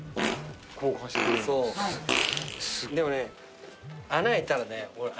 でもね穴開いたらね。